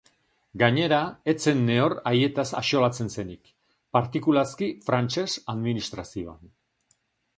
Gainera, ez zen nehor heietaz axolatzen zenik, partikulazki frantses administrazioan.